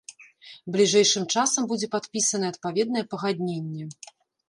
Бліжэйшым часам будзе падпісаная адпаведнае пагадненне.